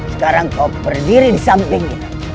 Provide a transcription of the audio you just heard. sekarang kau berdiri disamping kita